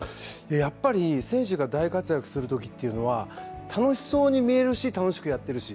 やっぱり、選手が大活躍する時っていうのは楽しそうに見えるし楽しくやっているし。